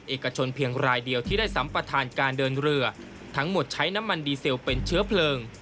เอกชนเพียงรายเดียวที่ได้สัมประธานการเดินเรือทั้งหมดใช้น้ำมันดีเซลเป็นเชื้อเพลิง